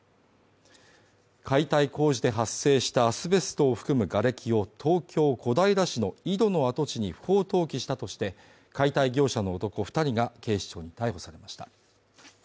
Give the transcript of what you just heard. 解体工事で発生したアスベストを含むがれきを東京・小平市の井戸の跡地に不法投棄したとして、解体業者の男２人が警視庁に逮捕されました。